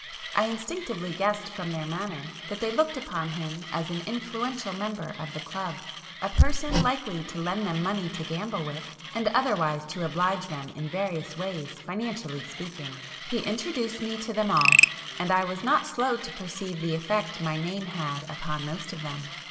I instinctively guessed from their manner that they looked upon him as an influential member of the club, a person likely to lend them money to gamble with, and otherwise to oblige them in various ways, financially speaking. He introduced me to them all, and I was not slow to perceive the effect my name had upon most of them.